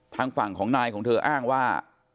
ทางฝั่งของนายของเธออ้างว่า